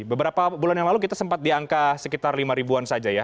beberapa bulan yang lalu kita sempat di angka sekitar lima ribuan saja ya